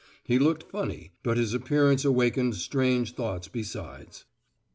He looked funny, but his appearance awakened strange thoughts besides.